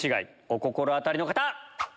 お心当たりの方！